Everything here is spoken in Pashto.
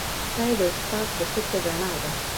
چای د استاد د فکر رڼا ده